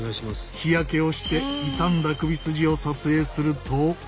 日焼けをして痛んだ首筋を撮影すると。